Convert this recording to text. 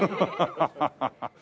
ハハハハ。